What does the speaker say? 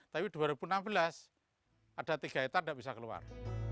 tapi dua ribu enam belas ada tiga hektare tidak bisa keluar